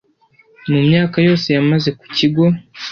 Mu myaka yose yamaze ku kigo